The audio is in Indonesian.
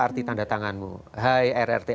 arti tanda tanganmu hai rrt